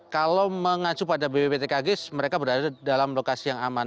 kalau mengacu pada bpptkg mereka berada dalam lokasi yang aman